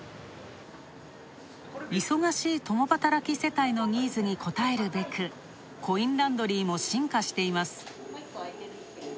忙しい共働き世帯のニーズに応えるべくコインランドリーも進化しています。